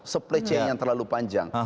seplece yang terlalu panjang